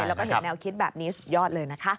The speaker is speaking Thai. แล้วก็เห็นแนวคิดแบบนี้สุดยอดเลยนะคะ